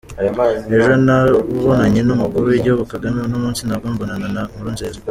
Ejo nabonanye n’umukuru w’igihugu Kagame, uno munsi nabwo mbonana na Nkurunziza.